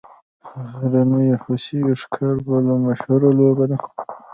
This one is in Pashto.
د غرنیو هوسیو ښکار بله مشهوره لوبه ده